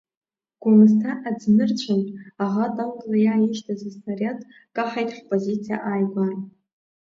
Гәымсҭа аӡнырцәынтә аӷа танкла иааишьҭыз аснариад каҳаит ҳпозициа ааигәара.